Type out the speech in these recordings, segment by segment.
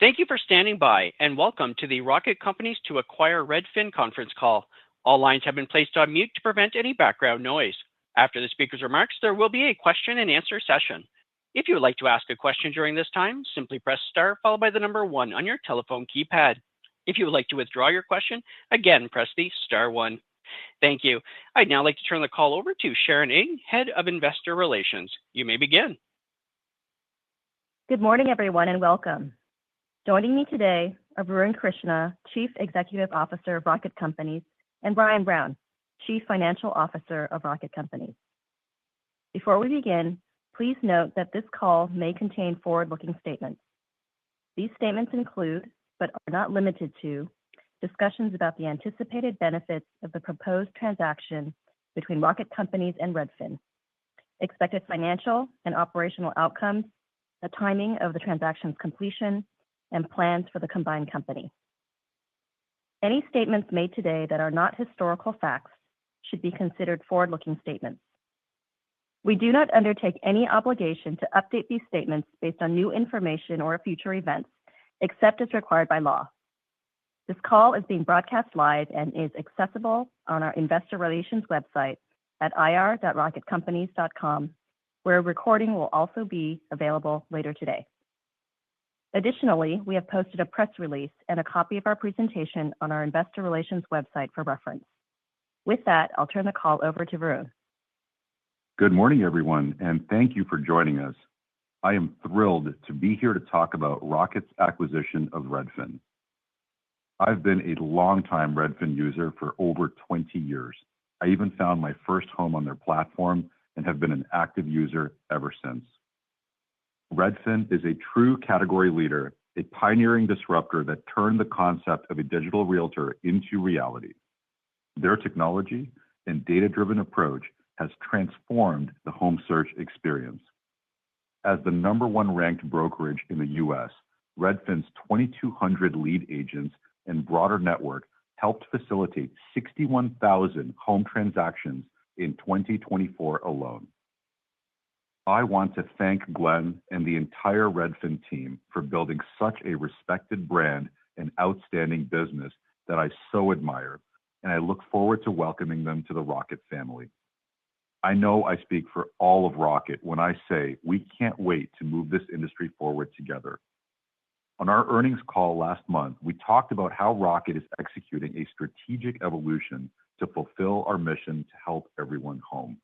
Thank you for standing by, and welcome to the Rocket Companies to Acquire Redfin conference call. All lines have been placed on mute to prevent any background noise. After the speaker's remarks, there will be a question-and-answer session. If you would like to ask a question during this time, simply press Star, followed by the number one on your telephone keypad. If you would like to withdraw your question, again, press the Star one. Thank you. I'd now like to turn the call over to Sharon Ng, Head of Investor Relations. You may begin. Good morning, everyone, and welcome. Joining me today, Varun Krishna, Chief Executive Officer of Rocket Companies, and Brian Brown, Chief Financial Officer of Rocket Companies. Before we begin, please note that this call may contain forward-looking statements. These statements include, but are not limited to, discussions about the anticipated benefits of the proposed transaction between Rocket Companies and Redfin, expected financial and operational outcomes, the timing of the transaction's completion, and plans for the combined company. Any statements made today that are not historical facts should be considered forward-looking statements. We do not undertake any obligation to update these statements based on new information or future events, except as required by law. This call is being broadcast live and is accessible on our Investor Relations website at ir.rocketcompanies.com, where a recording will also be available later today. Additionally, we have posted a press release and a copy of our presentation on our Investor Relations website for reference. With that, I'll turn the call over to Varun. Good morning, everyone, and thank you for joining us. I am thrilled to be here to talk about Rocket's acquisition of Redfin. I've been a longtime Redfin user for over 20 years. I even found my first home on their platform and have been an active user ever since. Redfin is a true category leader, a pioneering disruptor that turned the concept of a digital realtor into reality. Their technology and data-driven approach has transformed the home search experience. As the number one ranked brokerage in the U.S., Redfin's 2,200 lead agents and broader network helped facilitate 61,000 home transactions in 2024 alone. I want to thank Glenn and the entire Redfin team for building such a respected brand and outstanding business that I so admire, and I look forward to welcoming them to the Rocket family. I know I speak for all of Rocket when I say we can't wait to move this industry forward together. On our earnings call last month, we talked about how Rocket is executing a strategic evolution to fulfill our mission to help everyone home.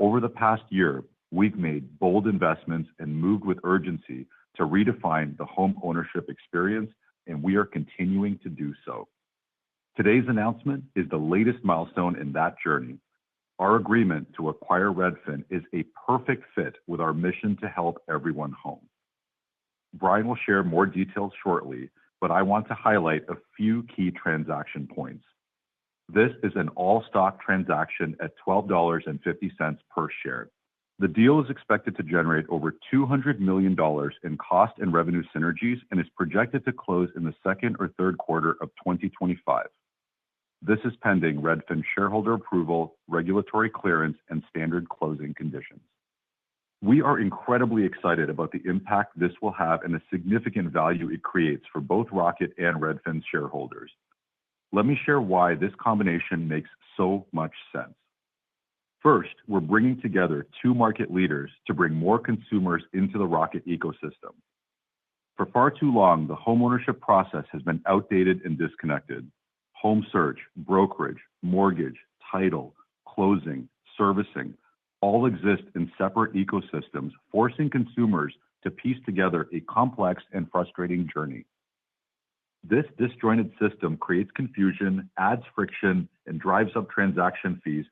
Over the past year, we've made bold investments and moved with urgency to redefine the home ownership experience, and we are continuing to do so. Today's announcement is the latest milestone in that journey. Our agreement to acquire Redfin is a perfect fit with our mission to help everyone home. Brian will share more details shortly, but I want to highlight a few key transaction points. This is an all-stock transaction at $12.50 per share. The deal is expected to generate over $200 million in cost and revenue synergies and is projected to close in the second or third quarter of 2025. This is pending Redfin shareholder approval, regulatory clearance, and standard closing conditions. We are incredibly excited about the impact this will have and the significant value it creates for both Rocket and Redfin's shareholders. Let me share why this combination makes so much sense. First, we're bringing together two market leaders to bring more consumers into the Rocket ecosystem. For far too long, the homeownership process has been outdated and disconnected. Home search, brokerage, mortgage, title, closing, servicing all exist in separate ecosystems, forcing consumers to piece together a complex and frustrating journey. This disjointed system creates confusion, adds friction, and drives up transaction fees,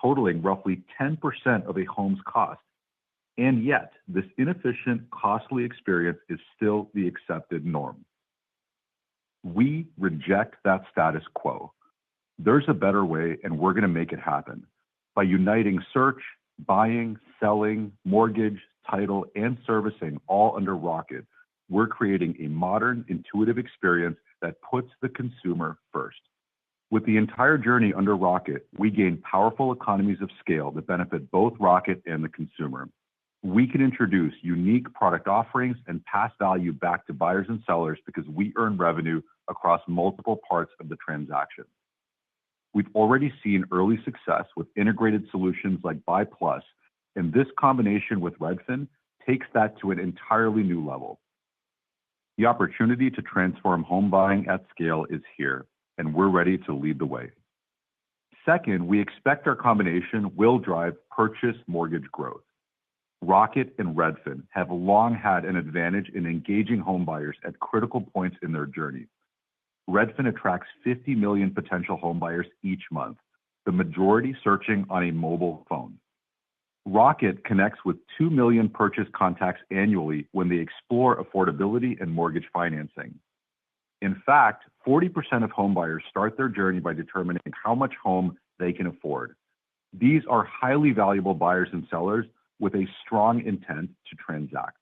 totaling roughly 10% of a home's cost. Yet, this inefficient, costly experience is still the accepted norm. We reject that status quo. There is a better way, and we're going to make it happen. By uniting search, buying, selling, mortgage, title, and servicing all under Rocket, we're creating a modern, intuitive experience that puts the consumer first. With the entire journey under Rocket, we gain powerful economies of scale that benefit both Rocket and the consumer. We can introduce unique product offerings and pass value back to buyers and sellers because we earn revenue across multiple parts of the transaction. We've already seen early success with integrated solutions like BUY+, and this combination with Redfin takes that to an entirely new level. The opportunity to transform home buying at scale is here, and we're ready to lead the way. Second, we expect our combination will drive purchase mortgage growth. Rocket and Redfin have long had an advantage in engaging homebuyers at critical points in their journey. Redfin attracts 50 million potential homebuyers each month, the majority searching on a mobile phone. Rocket connects with 2 million purchase contacts annually when they explore affordability and mortgage financing. In fact, 40% of homebuyers start their journey by determining how much home they can afford. These are highly valuable buyers and sellers with a strong intent to transact.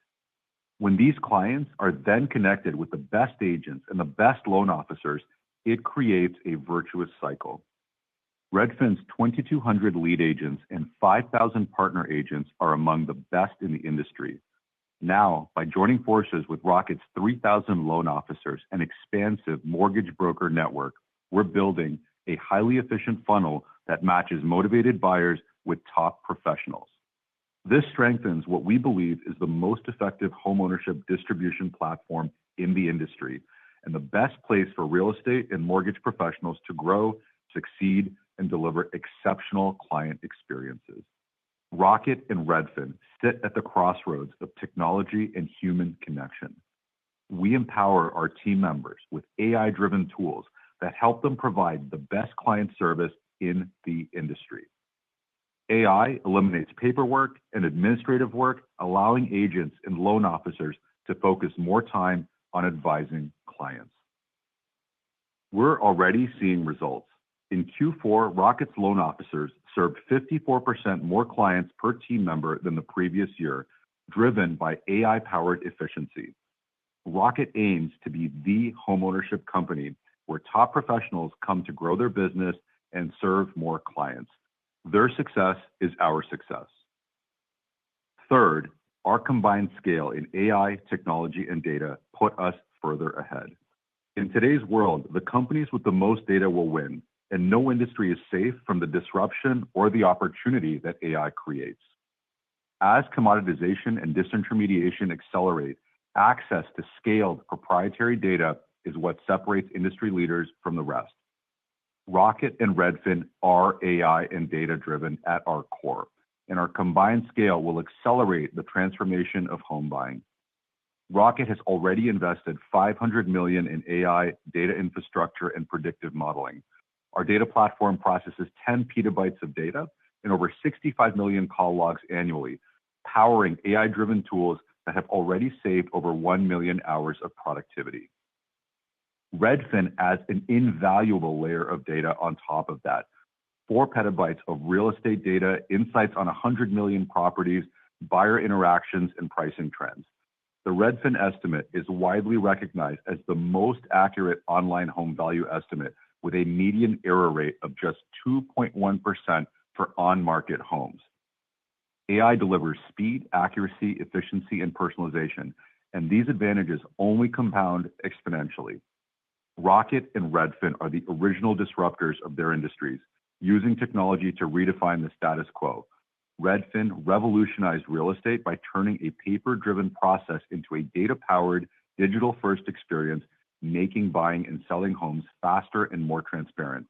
When these clients are then connected with the best agents and the best loan officers, it creates a virtuous cycle. Redfin's 2,200 lead agents and 5,000 partner agents are among the best in the industry. Now, by joining forces with Rocket's 3,000 loan officers and expansive mortgage broker network, we're building a highly efficient funnel that matches motivated buyers with top professionals. This strengthens what we believe is the most effective homeownership distribution platform in the industry and the best place for real estate and mortgage professionals to grow, succeed, and deliver exceptional client experiences. Rocket and Redfin sit at the crossroads of technology and human connection. We empower our team members with AI-driven tools that help them provide the best client service in the industry. AI eliminates paperwork and administrative work, allowing agents and loan officers to focus more time on advising clients. We're already seeing results. In Q4, Rocket's loan officers served 54% more clients per team member than the previous year, driven by AI-powered efficiency. Rocket aims to be the homeownership company where top professionals come to grow their business and serve more clients. Their success is our success. Third, our combined scale in AI, technology, and data put us further ahead. In today's world, the companies with the most data will win, and no industry is safe from the disruption or the opportunity that AI creates. As commoditization and disintermediation accelerate, access to scaled proprietary data is what separates industry leaders from the rest. Rocket and Redfin are AI and data-driven at our core, and our combined scale will accelerate the transformation of home buying. Rocket has already invested $500 million in AI, data infrastructure, and predictive modeling. Our data platform processes 10 PB of data and over 65 million call logs annually, powering AI-driven tools that have already saved over 1 million hours of productivity. Redfin adds an invaluable layer of data on top of that: 4 PB of real estate data, insights on 100 million properties, buyer interactions, and pricing trends. The Redfin Estimate is widely recognized as the most accurate online home value estimate, with a median error rate of just 2.1% for on-market homes. AI delivers speed, accuracy, efficiency, and personalization, and these advantages only compound exponentially. Rocket and Redfin are the original disruptors of their industries, using technology to redefine the status quo. Redfin revolutionized real estate by turning a paper-driven process into a data-powered, digital-first experience, making buying and selling homes faster and more transparent.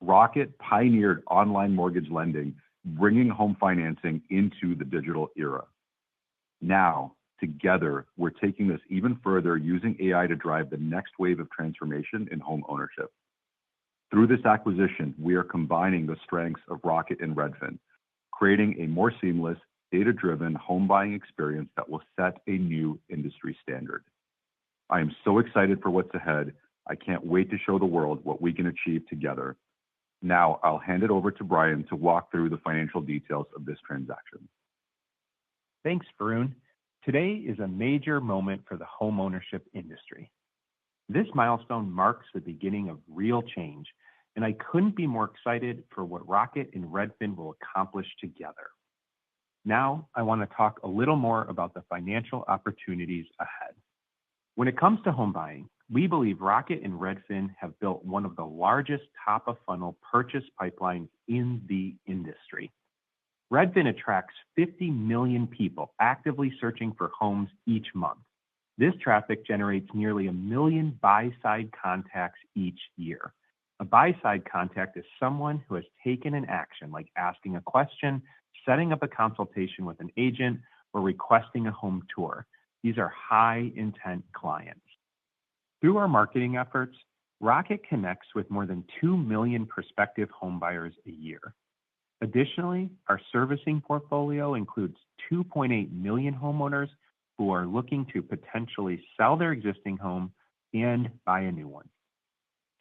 Rocket pioneered online mortgage lending, bringing home financing into the digital era. Now, together, we're taking this even further using AI to drive the next wave of transformation in home ownership. Through this acquisition, we are combining the strengths of Rocket and Redfin, creating a more seamless, data-driven home buying experience that will set a new industry standard. I am so excited for what's ahead. I can't wait to show the world what we can achieve together. Now, I'll hand it over to Brian to walk through the financial details of this transaction. Thanks, Varun. Today is a major moment for the homeownership industry. This milestone marks the beginning of real change, and I couldn't be more excited for what Rocket and Redfin will accomplish together. Now, I want to talk a little more about the financial opportunities ahead. When it comes to home buying, we believe Rocket and Redfin have built one of the largest top-of-funnel purchase pipelines in the industry. Redfin attracts 50 million people actively searching for homes each month. This traffic generates nearly a million buy-side contacts each year. A buy-side contact is someone who has taken an action, like asking a question, setting up a consultation with an agent, or requesting a home tour. These are high-intent clients. Through our marketing efforts, Rocket connects with more than 2 million prospective homebuyers a year. Additionally, our servicing portfolio includes 2.8 million homeowners who are looking to potentially sell their existing home and buy a new one.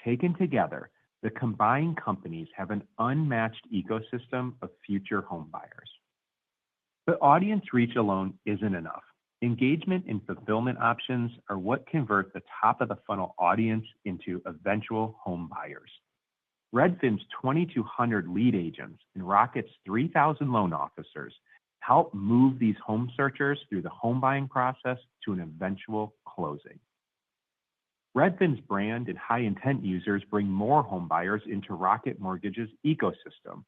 Taken together, the combined companies have an unmatched ecosystem of future homebuyers. The audience reach alone is not enough. Engagement and fulfillment options are what convert the top-of-the-funnel audience into eventual homebuyers. Redfin's 2,200 lead agents and Rocket's 3,000 loan officers help move these home searchers through the home buying process to an eventual closing. Redfin's brand and high-intent users bring more homebuyers into Rocket Mortgage's ecosystem,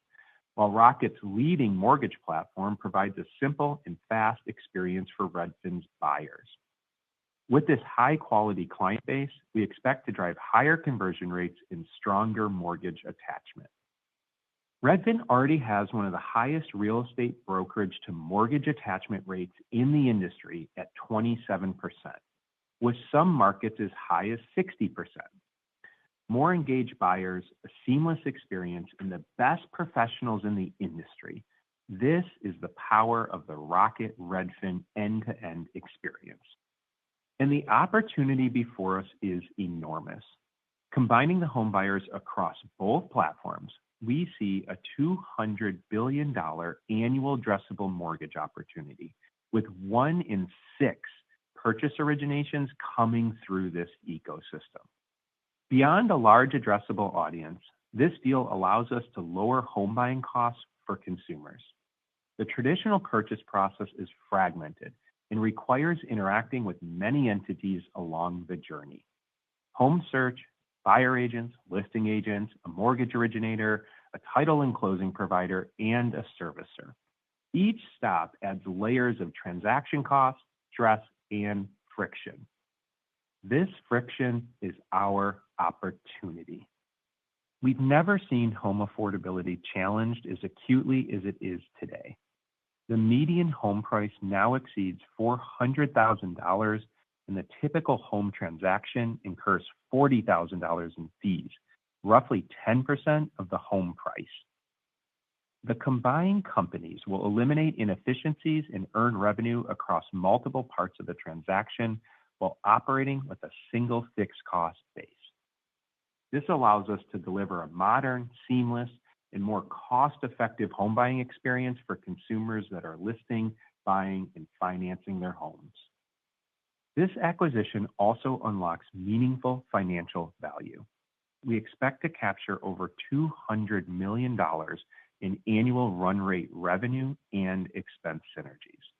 while Rocket's leading mortgage platform provides a simple and fast experience for Redfin's buyers. With this high-quality client base, we expect to drive higher conversion rates and stronger mortgage attachment. Redfin already has one of the highest real estate brokerage-to-mortgage attachment rates in the industry at 27%, with some markets as high as 60%. More engaged buyers, a seamless experience, and the best professionals in the industry—this is the power of the Rocket-Redfin end-to-end experience. The opportunity before us is enormous. Combining the homebuyers across both platforms, we see a $200 billion annual addressable mortgage opportunity, with one in six purchase originations coming through this ecosystem. Beyond a large addressable audience, this deal allows us to lower home buying costs for consumers. The traditional purchase process is fragmented and requires interacting with many entities along the journey: home search, buyer agents, listing agents, a mortgage originator, a title and closing provider, and a servicer. Each stop adds layers of transaction cost, stress, and friction. This friction is our opportunity. We've never seen home affordability challenged as acutely as it is today. The median home price now exceeds $400,000, and the typical home transaction incurs $40,000 in fees, roughly 10% of the home price. The combined companies will eliminate inefficiencies and earn revenue across multiple parts of the transaction while operating with a single fixed cost base. This allows us to deliver a modern, seamless, and more cost-effective home buying experience for consumers that are listing, buying, and financing their homes. This acquisition also unlocks meaningful financial value. We expect to capture over $200 million in annual run rate revenue and expense synergies.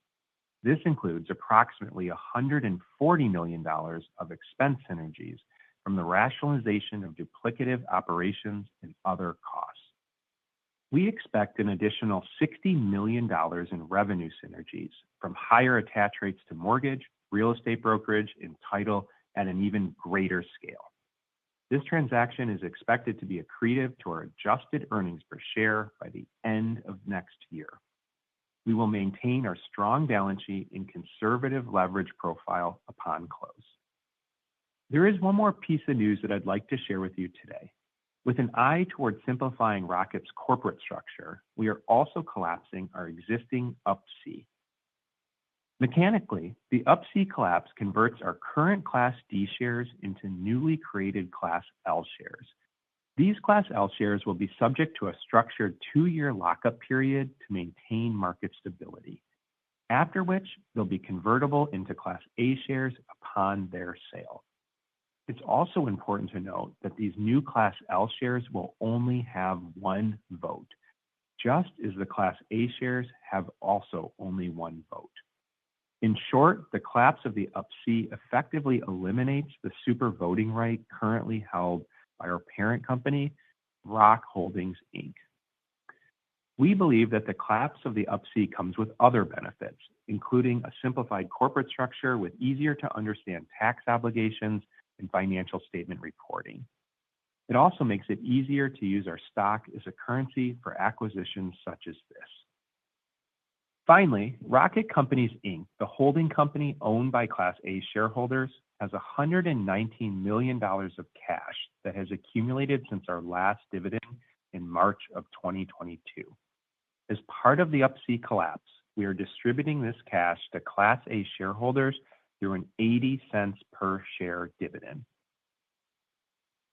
This includes approximately $140 million of expense synergies from the rationalization of duplicative operations and other costs. We expect an additional $60 million in revenue synergies from higher attach rates to mortgage, real estate brokerage, and title at an even greater scale. This transaction is expected to be accretive to our adjusted earnings per share by the end of next year. We will maintain our strong balance sheet and conservative leverage profile upon close. There is one more piece of news that I'd like to share with you today. With an eye toward simplifying Rocket's corporate structure, we are also collapsing our existing Up-C. Mechanically, the Up-C collapse converts our current Class D shares into newly created Class L shares. These Class L shares will be subject to a structured two-year lockup period to maintain market stability, after which they'll be convertible into Class A shares upon their sale. It's also important to note that these new Class L shares will only have one vote, just as the Class A shares have also only one vote. In short, the collapse of the Up-C effectively eliminates the super voting right currently held by our parent company, Rock Holdings Inc. We believe that the collapse of the Up-C comes with other benefits, including a simplified corporate structure with easier-to-understand tax obligations and financial statement reporting. It also makes it easier to use our stock as a currency for acquisitions such as this. Finally, Rocket Companies, Inc, the holding company owned by Class A shareholders, has $119 million of cash that has accumulated since our last dividend in March of 2022. As part of the Up-C collapse, we are distributing this cash to Class A shareholders through an $0.80 per share dividend.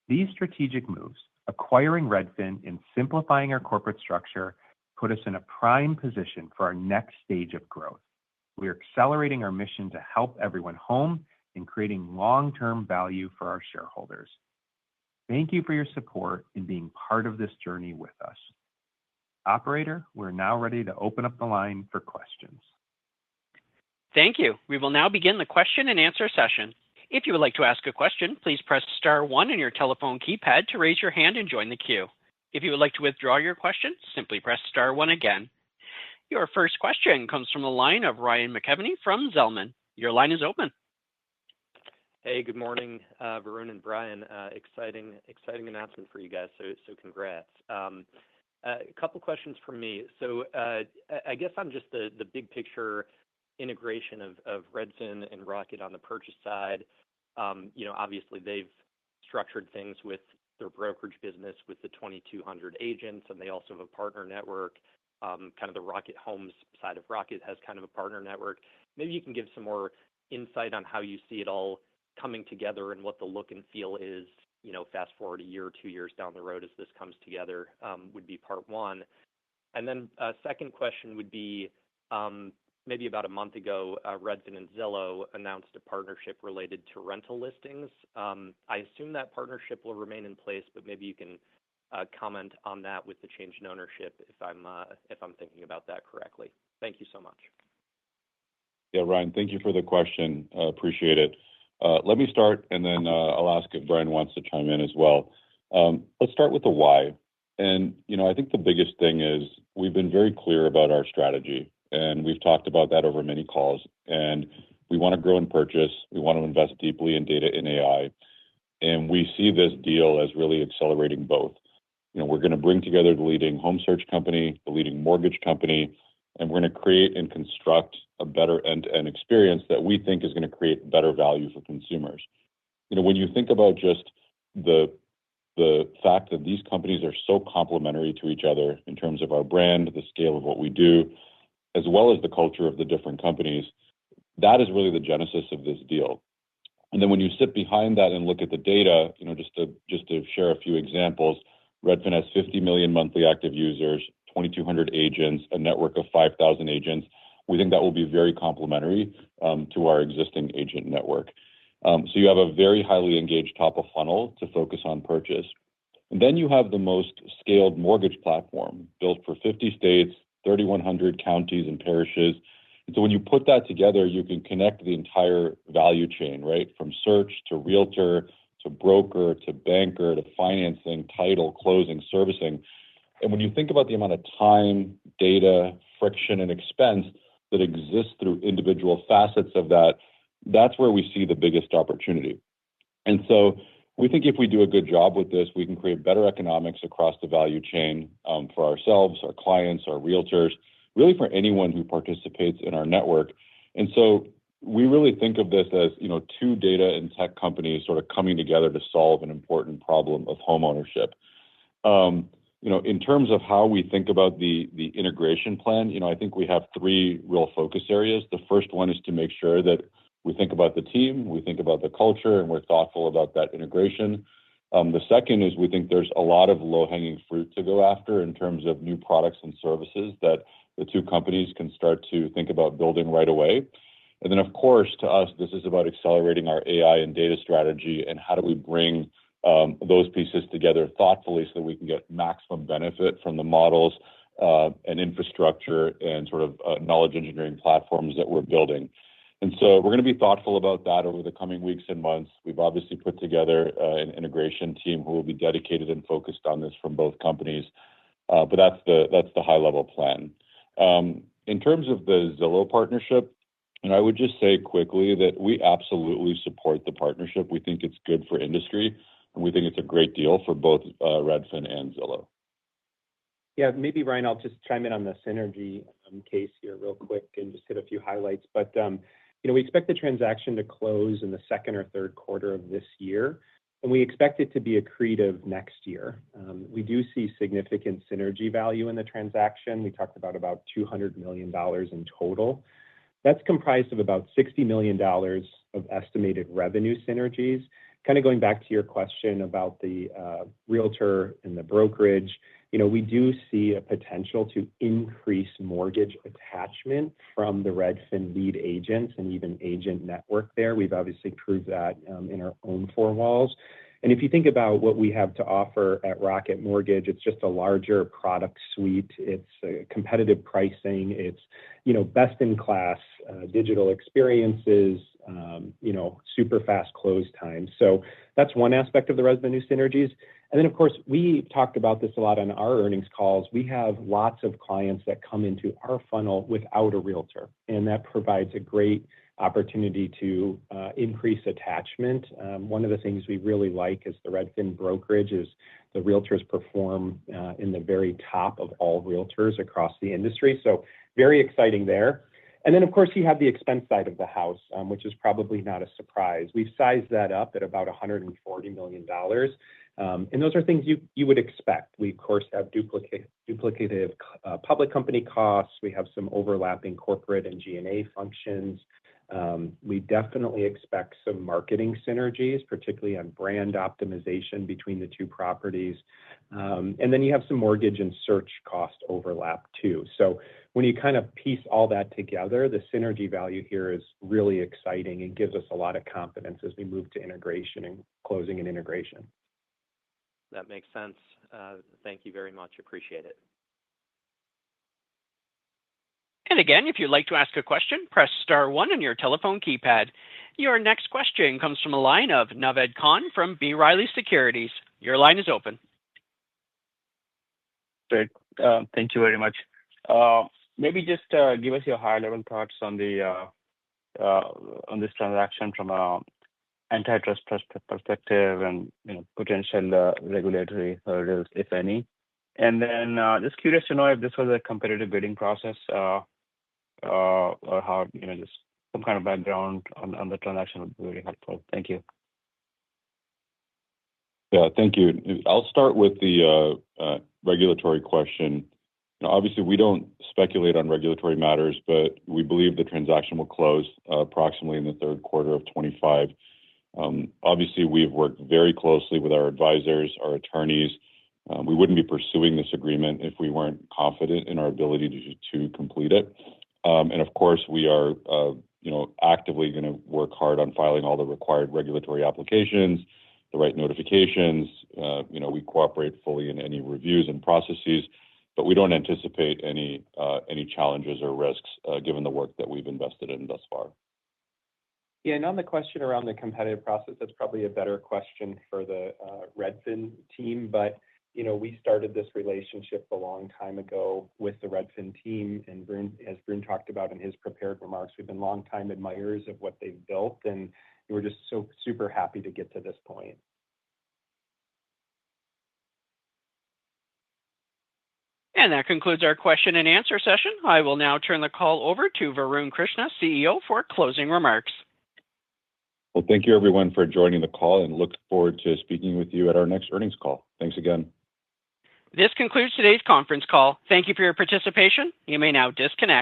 These strategic moves, acquiring Redfin and simplifying our corporate structure, put us in a prime position for our next stage of growth. We are accelerating our mission to help everyone home and creating long-term value for our shareholders. Thank you for your support in being part of this journey with us. Operator, we're now ready to open up the line for questions. Thank you. We will now begin the question and answer session. If you would like to ask a question, please press star one on your telephone keypad to raise your hand and join the queue. If you would like to withdraw your question, simply press star one again. Your first question comes from the line of Ryan McKeveny from Zelman. Your line is open. Hey, good morning, Varun and Brian. Exciting announcement for you guys, so congrats. A couple of questions for me. I guess on just the big picture integration of Redfin and Rocket on the purchase side, obviously, they've structured things with their brokerage business with the 2,200 agents, and they also have a partner network. Kind of the Rocket Homes side of Rocket has kind of a partner network. Maybe you can give some more insight on how you see it all coming together and what the look and feel is, fast forward a year or two years down the road as this comes together, would be part one. A second question would be, maybe about a month ago, Redfin and Zillow announced a partnership related to rental listings. I assume that partnership will remain in place, but maybe you can comment on that with the change in ownership if I'm thinking about that correctly. Thank you so much. Yeah, Ryan, thank you for the question. Appreciate it. Let me start, and then I'll ask if Brian wants to chime in as well. Let's start with the why. I think the biggest thing is we've been very clear about our strategy, and we've talked about that over many calls. We want to grow and purchase. We want to invest deeply in data and AI. We see this deal as really accelerating both. We're going to bring together the leading home search company, the leading mortgage company, and we're going to create and construct a better end-to-end experience that we think is going to create better value for consumers. When you think about just the fact that these companies are so complementary to each other in terms of our brand, the scale of what we do, as well as the culture of the different companies, that is really the genesis of this deal. When you sit behind that and look at the data, just to share a few examples, Redfin has 50 million monthly active users, 2,200 agents, a network of 5,000 agents. We think that will be very complementary to our existing agent network. You have a very highly engaged top-of-funnel to focus on purchase. You have the most scaled mortgage platform built for 50 states, 3,100 counties and parishes. When you put that together, you can connect the entire value chain, right, from search to realtor to broker to banker to financing, title, closing, servicing. When you think about the amount of time, data, friction, and expense that exists through individual facets of that, that's where we see the biggest opportunity. We think if we do a good job with this, we can create better economics across the value chain for ourselves, our clients, our realtors, really for anyone who participates in our network. We really think of this as two data and tech companies sort of coming together to solve an important problem of home ownership. In terms of how we think about the integration plan, I think we have three real focus areas. The first one is to make sure that we think about the team, we think about the culture, and we're thoughtful about that integration. The second is we think there's a lot of low-hanging fruit to go after in terms of new products and services that the two companies can start to think about building right away. Of course, to us, this is about accelerating our AI and data strategy and how do we bring those pieces together thoughtfully so that we can get maximum benefit from the models and infrastructure and sort of knowledge engineering platforms that we're building. We are going to be thoughtful about that over the coming weeks and months. We've obviously put together an integration team who will be dedicated and focused on this from both companies. That's the high-level plan. In terms of the Zillow partnership, I would just say quickly that we absolutely support the partnership. We think it's good for industry, and we think it's a great deal for both Redfin and Zillow. Yeah, maybe, Ryan, I'll just chime in on the synergy case here real quick and just hit a few highlights. We expect the transaction to close in the second or third quarter of this year, and we expect it to be accretive next year. We do see significant synergy value in the transaction. We talked about $200 million in total. That's comprised of about $60 million of estimated revenue synergies. Kind of going back to your question about the realtor and the brokerage, we do see a potential to increase mortgage attachment from the Redfin lead agents and even agent network there. We've obviously proved that in our own four walls. If you think about what we have to offer at Rocket Mortgage, it's just a larger product suite. It's competitive pricing. It's best-in-class digital experiences, super fast close times. That's one aspect of the revenue synergies. Of course, we talked about this a lot on our earnings calls. We have lots of clients that come into our funnel without a realtor, and that provides a great opportunity to increase attachment. One of the things we really like is the Redfin brokerage is the realtors perform in the very top of all realtors across the industry. Very exciting there. Of course, you have the expense side of the house, which is probably not a surprise. We've sized that up at about $140 million. Those are things you would expect. We, of course, have duplicative public company costs. We have some overlapping corporate and G&A functions. We definitely expect some marketing synergies, particularly on brand optimization between the two properties. You have some mortgage and search cost overlap too. When you kind of piece all that together, the synergy value here is really exciting and gives us a lot of confidence as we move to integration and closing and integration. That makes sense. Thank you very much. Appreciate it. If you'd like to ask a question, press star one on your telephone keypad. Your next question comes from a line of Naved Khan from B. Riley Securities. Your line is open. Great. Thank you very much. Maybe just give us your high-level thoughts on this transaction from an antitrust perspective and potential regulatory hurdles, if any. I am just curious to know if this was a competitive bidding process or just some kind of background on the transaction would be very helpful. Thank you. Yeah, thank you. I'll start with the regulatory question. Obviously, we don't speculate on regulatory matters, but we believe the transaction will close approximately in the third quarter of 2025. Obviously, we've worked very closely with our advisors, our attorneys. We wouldn't be pursuing this agreement if we weren't confident in our ability to complete it. Of course, we are actively going to work hard on filing all the required regulatory applications, the right notifications. We cooperate fully in any reviews and processes, but we don't anticipate any challenges or risks given the work that we've invested in thus far. Yeah, on the question around the competitive process, that's probably a better question for the Redfin team. We started this relationship a long time ago with the Redfin team. As Varun talked about in his prepared remarks, we've been long-time admirers of what they've built, and we're just super happy to get to this point. That concludes our question and answer session. I will now turn the call over to Varun Krishna, CEO, for closing remarks. Thank you, everyone, for joining the call, and look forward to speaking with you at our next earnings call. Thanks again. This concludes today's conference call. Thank you for your participation. You may now disconnect.